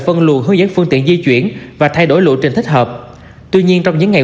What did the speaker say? phân luồng hướng dẫn phương tiện di chuyển và thay đổi lộ trình thích hợp tuy nhiên trong những ngày